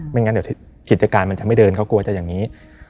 งั้นเดี๋ยวกิจการมันจะไม่เดินเขากลัวจะอย่างนี้